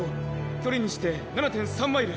距離にして７．３マイル。